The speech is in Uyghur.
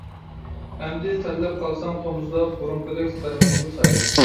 ئەمدى تەرلەپ قالساڭ تومۇزدا، بۇرۇنقىدەك بەرمەيدۇ سايە.